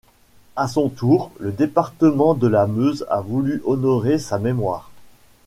À son tour, le département de la Meuse a voulu honorer sa mémoire.